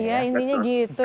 iya intinya gitu ya